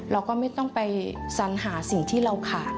เราก็ไม่ต้องไปสัญหาสิ่งที่เราขาด